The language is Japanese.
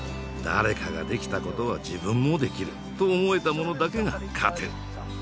誰かができたことは自分もできると思えた者だけが勝てる。